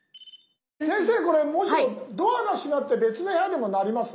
先生これもしもドアが閉まって別の部屋でも鳴ります？